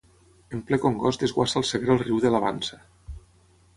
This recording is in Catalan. En ple congost desguassa al Segre el riu de Lavansa.